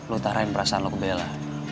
lu tarain perasaan lu ke bella